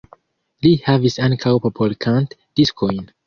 Li havis ankaŭ popolkant-diskojn.